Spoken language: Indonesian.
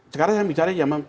sekarang yang dibicarakan